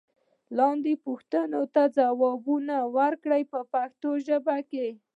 لاندې پوښتنو ته ځواب ورکړئ په پښتو ژبه.